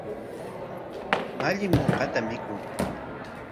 Mallim uqata mikun.